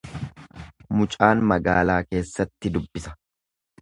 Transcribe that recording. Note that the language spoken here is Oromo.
Mucaan magaalaa keessatti dubbisa.